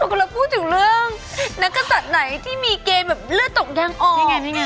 เราพูดถึงเรื่องนักศัตริย์ไหนที่มีเกณฑ์แบบเลือดตกยางออก